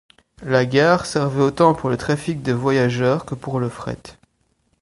La gare servait autant pour le trafic de voyageurs que pour le fret.